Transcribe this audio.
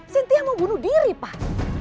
sintia mau bunuh diri pak